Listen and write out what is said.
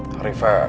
tapi dia mau nyerah